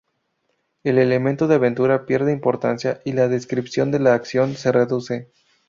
El elemento de aventura pierde importancia y la descripción de la acción se reduce.